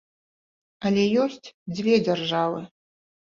Але ёсць дзве дзяржавы.